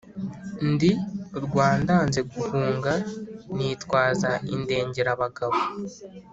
ndi urwa ndanze guhunga, nitwaza indengerabagabo.